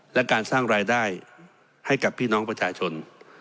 และการสร้างรายได้ให้กับพี่น้องประชาชน